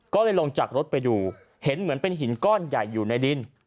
ก็เลยลงจากรถไปดูเห็นเหมือนเป็นหินก้อนใหญ่อยู่ในดิน